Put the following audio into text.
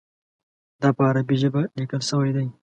دا په عربي ژبه لیکل شوی دی.